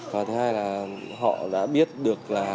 và thứ hai là họ đã biết được là